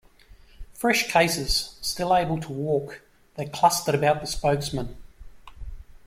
Fresh cases, still able to walk, they clustered about the spokesman.